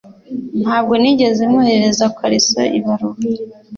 Ntabwo nigeze mwoherereza kalisa ibaruwa.